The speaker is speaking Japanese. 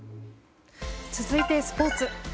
続いてスポーツ。